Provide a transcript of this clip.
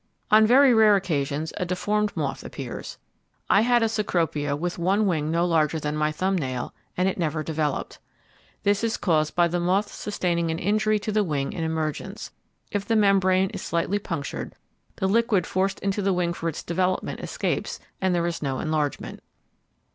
On very rare occasions a deformed moth appears. I had a Cecropia with one wing no larger than my thumb nail, and it never developed. This is caused by the moth sustaining an injury to the wing in emergence. If the membrane is slightly punctured the liquid forced into the wing for its development escapes and there is no enlargement.